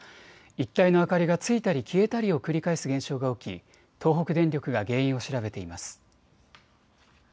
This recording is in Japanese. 一帯の明かりがついたり消えたりを繰り返す現象が起き東北電力が原因を調べています。